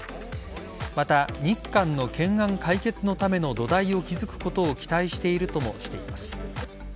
また、日韓の懸案解決のための土台を築くことを期待しているともしています。